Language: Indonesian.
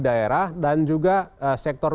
daerah dan juga sektor